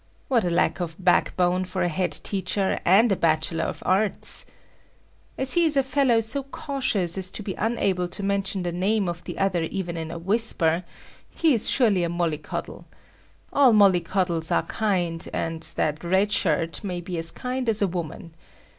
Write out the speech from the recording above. What a lack of backbone for a head teacher and a Bachelor of Arts! As he is a fellow so cautious as to be unable to mention the name of the other even in a whisper, he is surely a mollycoddle. All mollycoddles are kind, and that Red Shirt may be as kind as a woman.